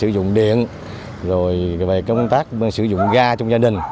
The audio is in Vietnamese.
dùng điện rồi về công tác sử dụng ga trong gia đình